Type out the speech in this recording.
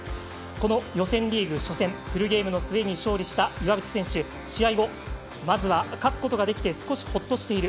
この予選リーグ初戦フルゲームの末に勝利した岩渕選手、試合後まずは勝つことができて少しほっとしている。